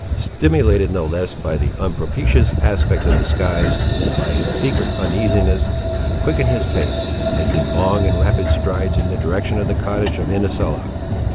Stimulated no less by the unpropitious aspect of the skies, than by his secret uneasiness, he quickened his pace, making long and rapid strides in the direction of the cottage of Inesella.